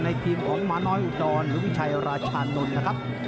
ทีมของหมาน้อยอุดรหรือวิชัยราชานนท์นะครับ